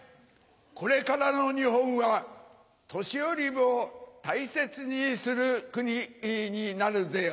これからの日本は年寄りを大切にする国になるぜよ。